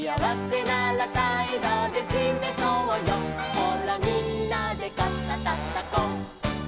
「ほらみんなで肩たたこう」